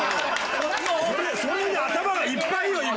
それで頭がいっぱいよ今。